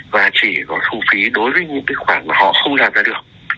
và chỉ có thu phí đối với những cái khoản mà họ không làm ra được